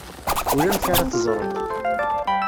Ulamek ara teẓred.